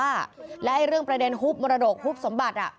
ว่าแม่เป็นบ้าและให้เรื่องประเด็นฮุบมรดกฮุบสมบัติ